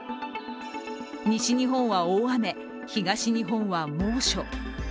西日本は大雨、東日本は猛暑。